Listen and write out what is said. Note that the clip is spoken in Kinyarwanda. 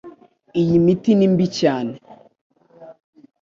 Iyi miti ni mbi cyane.